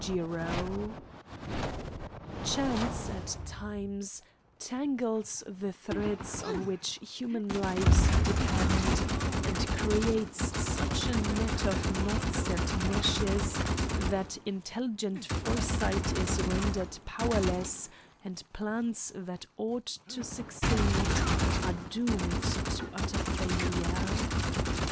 JIRO Chance, at times, tangles the threads on which human lives depend, and creates such a net of knots and meshes that intelligent foresight is rendered powerless, and plans that ought to succeed are doomed to utter failure.